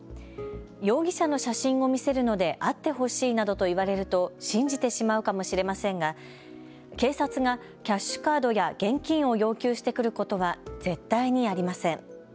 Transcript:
容疑者の写真を見せるので会ってほしいなどと言われると信じてしまうかもしれませんが警察がキャッシュカードや現金を要求してくることは絶対にありません。